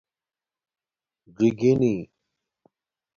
ژِگِنی